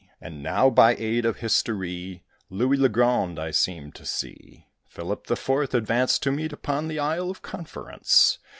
And now, by aid of history, Louis le Grand I seem to see Philip the Fourth advance to meet Upon the isle of conference.